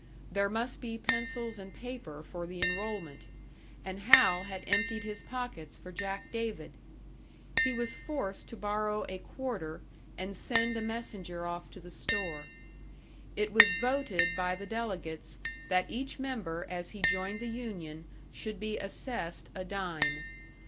There must be pencils and paper for the enrollment; and Hal had emptied his pockets for Jack David! He was forced to borrow a quarter, and send a messenger off to the store. It was voted by the delegates that each member as he joined the union should be assessed a dime.